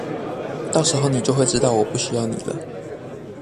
到時候妳就會知道我不需要妳了！